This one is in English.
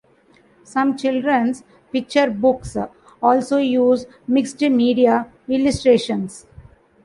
Some children's picture books also use mixed media illustrations.